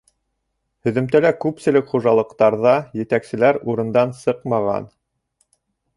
Һөҙөмтәлә күпселек хужалыҡтарҙа етәкселәр урындан сыҡмаған.